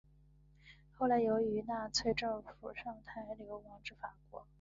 后来由于纳粹政府上台流亡至法国。